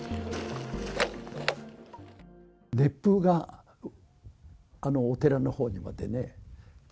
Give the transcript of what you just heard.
熱風がお寺のほうにまでね。